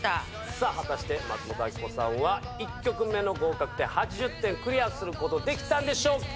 さぁ果たして松本明子さんは１曲目の合格点８０点クリアすることできたんでしょうか？